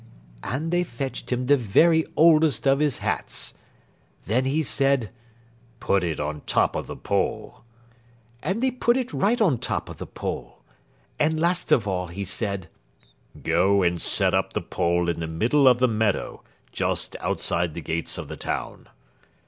And they fetched him the very oldest of his hats. Then he said, "Put it on top of the pole." And they put it right on top of the pole. And, last of all, he said, "Go and set up the pole in the middle of the meadow just outside the gates of the town."